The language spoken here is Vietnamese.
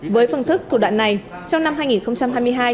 với phương thức thủ đoạn này trong năm hai nghìn hai mươi hai